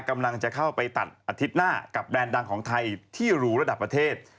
กำลังจะเข้าไปตัดอาทิตย์หน้ากับแบรนด์ดังของไทยที่หรูระดับประเทศ